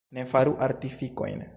Ne faru artifikojn.